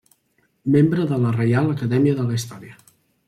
Membre de la Reial Acadèmia de la Història.